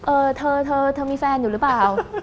เออเธอเธอมีแฟนอยู่หรือเปล่า